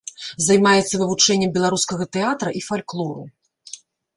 Займаецца вывучэннем беларускага тэатра і фальклору.